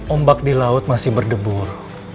om bag di laut masih berdebur